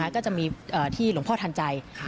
ก็จะมีที่หลวงพ่อทันใจ